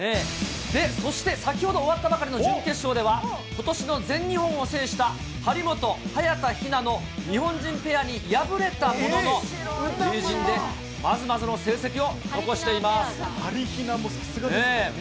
で、そして先ほど終わったばかりの準決勝では、ことしの全日本を制した、張本・早田ひなの日本人ペアに敗れたものの、初陣でまずまずの成績を残しています。